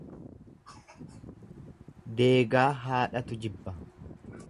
Deegaa haadhatu jibba.